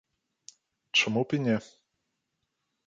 Чаму б і не?